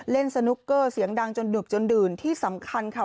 เล่นสนุกเกอร์เสียงดังจนดึกจนดื่นที่สำคัญค่ะ